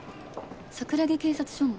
桜木警察署の。